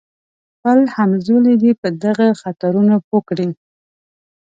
خپل همزولي دې په دغو خطرونو پوه کړي.